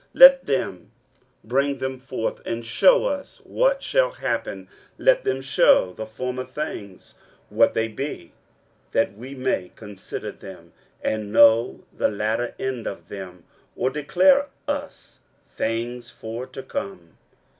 23:041:022 Let them bring them forth, and shew us what shall happen: let them shew the former things, what they be, that we may consider them, and know the latter end of them; or declare us things for to come.